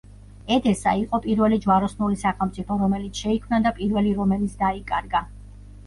ედესა იყო პირველი ჯვაროსნული სახელმწიფო, რომელიც შეიქმნა და პირველი რომელიც დაიკარგა.